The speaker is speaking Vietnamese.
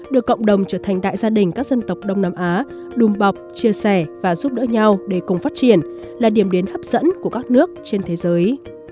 đưa cộng đồng trở thành đại gia đình các dân tộc đông nam á đùm bọc chia sẻ và giúp đỡ nhau để cùng phát triển là điểm đến hấp dẫn của các nước trên thế giới